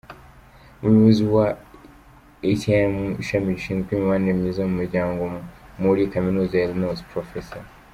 Umuyobozi w’Ishami rishinzwe Imibanire myiza mu miryango muri Kaminuza ya Illinois, Prof.